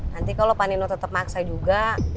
nanti kalau panino tetep maksa juga